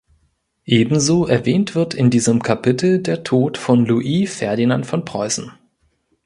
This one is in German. Ebenso erwähnt wird in diesem Kapitel der Tod von Louis Ferdinand von Preußen.